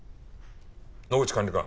野口管理官。